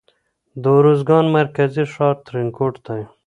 د اروزگان مرکزي ښار ترینکوټ دی.